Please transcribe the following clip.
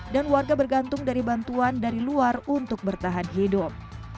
warga bergantung dari bantuan dari luar untuk bertahan hidup